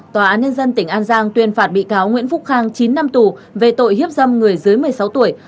tòa án nhân dân tỉnh an giang tuyên phạt bị cáo nguyễn phúc khang chín năm tù về tội hiếp dâm người dưới một mươi sáu tuổi